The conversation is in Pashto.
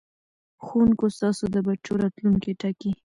ښوونکو ستاسو د بچو راتلوونکی ټاکي.